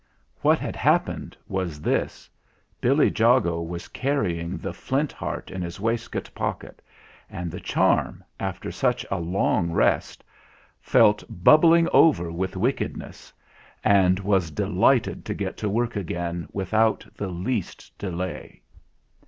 What had happened was this: Billy Jago was carrying the Flint Heart in his waistcoat pocket, and the charm, after such a long rest, felt bubbling over with wickedness, and was delighted to get to work again without the least delay.